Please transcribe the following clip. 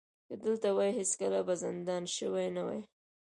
که دلته وای هېڅکله به زنداني شوی نه وای.